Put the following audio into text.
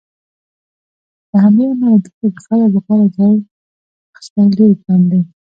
له همدې امله دلته د قبر لپاره ځای اخیستل ډېر ګران دي.